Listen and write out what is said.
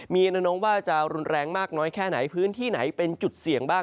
มีแนวโน้มว่าจะรุนแรงมากน้อยแค่ไหนพื้นที่ไหนเป็นจุดเสี่ยงบ้าง